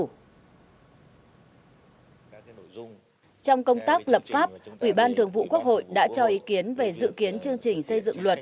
trong công tác lập pháp ủy ban thường vụ quốc hội đã cho ý kiến về dự kiến chương trình xây dựng luật